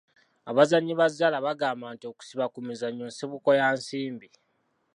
Abazannyi ba zzaala bagamba nti okusiba ku mizannyo nsibuko ya nsimbi.